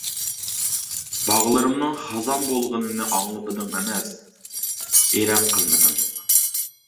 باغلىرىمنىڭ خازان بولغىنىنى ئاڭلىمىدىڭ ئەمەس، ئېرەن قىلمىدىڭ.